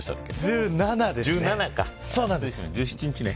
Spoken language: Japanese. １７ですね。